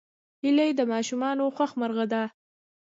هیلۍ د ماشومانو خوښ مرغه ده